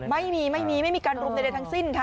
ไม่มีง่ายการลุมในใดทั้งสิ้นค่ะ